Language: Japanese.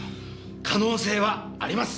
可能性はあります。